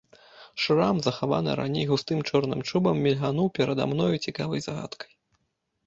Шрам, захаваны раней густым чорным чубам, мільгнуў перада мною цікавай загадкай.